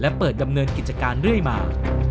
และเปิดดำเนินกิจการเรื่อยมา